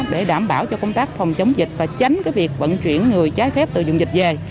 để đảm bảo cho công tác phòng chống dịch và tránh việc vận chuyển người trái phép từ dùng dịch về